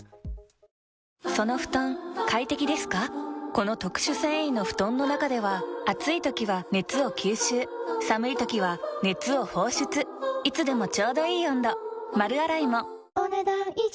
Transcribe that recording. この特殊繊維の布団の中では暑い時は熱を吸収寒い時は熱を放出いつでもちょうどいい温度丸洗いもお、ねだん以上。